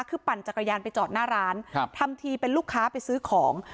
คือปั่นจักรยานไปจอดหน้าร้านครับทำทีเป็นลูกค้าไปซื้อของ